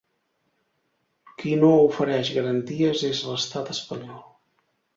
Qui no ofereix garanties és l’estat espanyol.